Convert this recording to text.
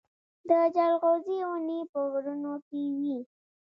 د جلغوزي ونې په غرونو کې وي